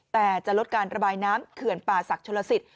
แต่จะลดการระบายน้ำเขื่อนป่าศักดิชลสิต